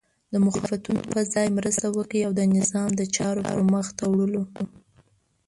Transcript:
د مخالفتونو په ځای مرسته وکړئ او د نظام د چارو په مخته وړلو